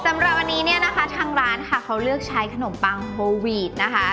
สำหรับวันนี้เนี่ยนะคะทางร้านค่ะเขาเลือกใช้ขนมปังโฮวีดนะคะ